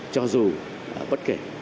cho dù bất kể